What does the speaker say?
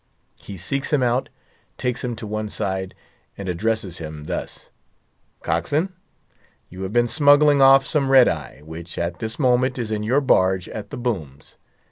He seeks him out, takes him to one side, and addresses him thus: "Cockswain, you have been smuggling off some red eye, which at this moment is in your barge at the booms.